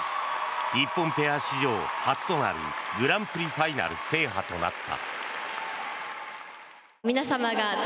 日本ペア史上初となるグランプリファイナル制覇となった。